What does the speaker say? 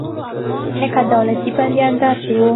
لکه دولتي بندیان داسې وو.